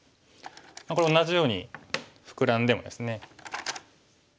これ同じようにフクラんでもですね。